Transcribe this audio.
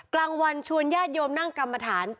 กลางวันชวนญาติโยมนั่งกรรมฐาน